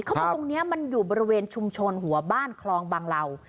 ข้อมูลตรงนี้มันอยู่บริเวณชุมชนหัวบ้านคลองบางราว